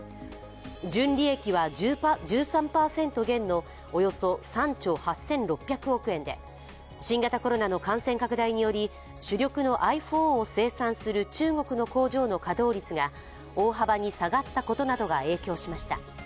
純利益は１３％減のおよそ３兆８６００億円で新型コロナの感染拡大により主力のｉＰｈｏｎｅを生産する中国の工場の稼働率が大幅に下がったことなどが影響しました。